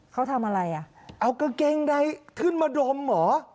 เขาทำอะไรอ่ะเอากางเกงใดขึ้นมาดมเหรอ